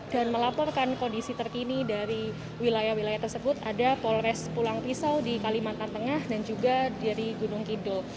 dan melaporkan kondisi terkini dari wilayah wilayah tersebut ada polres pulang pisau di kalimantan tengah dan juga dari gunung kidul